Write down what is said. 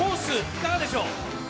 いかがでしょう？